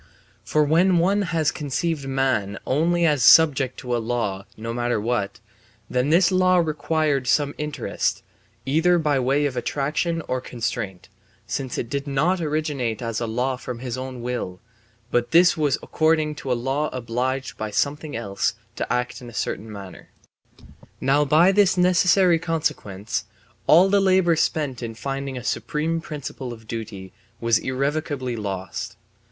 For when one has conceived man only as subject to a law (no matter what), then this law required some interest, either by way of attraction or constraint, since it did not originate as a law from his own will, but this will was according to a law obliged by something else to act in a certain manner. Now by this necessary consequence all the labour spent in finding a supreme principle of duty was irrevocably lost.